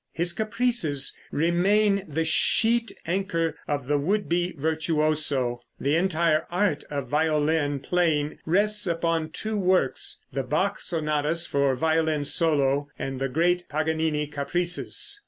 His caprices remain the sheet anchor of the would be virtuoso. The entire art of violin playing rests upon two works the Bach sonatas for violin solo, and the great Paganini caprices.